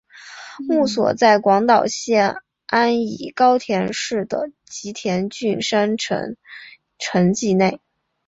墓所在广岛县安艺高田市的吉田郡山城城迹内。